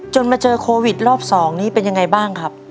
มาเจอโควิดรอบ๒นี้เป็นยังไงบ้างครับ